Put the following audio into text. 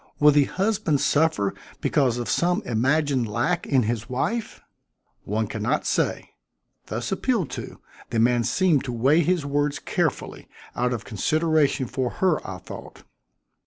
Will the husband suffer because of some imagined lack in his wife?" "One can not say." Thus appealed to, the man seemed to weigh his words carefully, out of consideration for her, I thought.